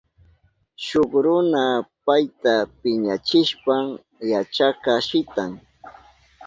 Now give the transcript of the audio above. Shuk runa payta piñachishpan yachakka shitan.